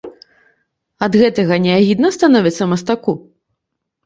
Ад гэтага не агідна становіцца мастаку?